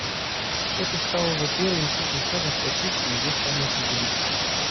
Это стало бы первым крупным шагом в процессе ее самоопределения.